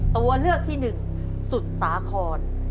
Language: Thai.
ตัวเลือกที่หนึ่งสุดสาคร